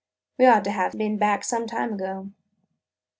"We ought to have been back some time ago."